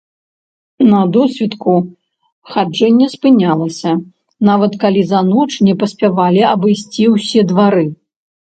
На досвітку хаджэнне спынялася, нават калі за ноч не паспявалі абысці ўсе двары.